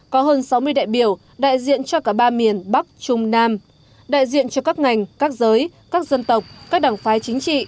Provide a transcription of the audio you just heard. có hơn sáu mươi đại biểu đại diện cho cả ba miền bắc trung nam đại diện cho các ngành các giới các dân tộc các đảng phái chính trị